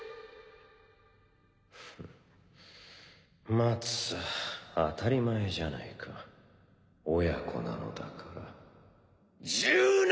待つさあたりまえじゃないか親子なのだから１７！